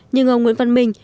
nhưng ông nguyễn văn minh